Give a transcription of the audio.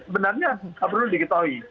sebenarnya perlu diketahui